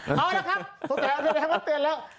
เอาแล้วครับตอนแรกว่าเตรียมแล้ว